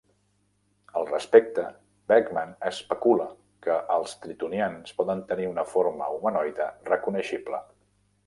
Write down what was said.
Al respecte, Bergman especula que els tritonians poden tenir una forma humanoide reconeixible.